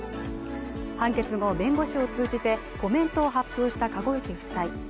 判決後、弁護士を通じてコメントを発表した籠池夫妻。